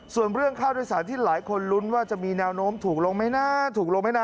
ส่วนเรื่องค่าโดยสารที่หลายคนลุ้นว่าจะมีแนวโน้มถูกลงไหมนะถูกลงไหมนะ